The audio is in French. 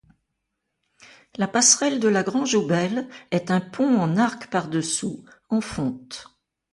La passerelle de la Grange-aux-Belles est un pont en arc par-dessous, en fonte.